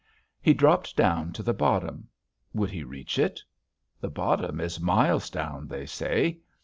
He dropped down to the bottom. Would he reach it? The bottom is miles down, they say.